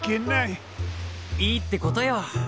いいってことよ。